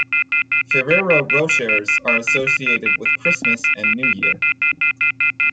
Ferrero Rochers are associated with Christmas and New Year.